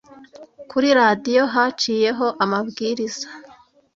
kuri radiyo haciyeho amabwiriza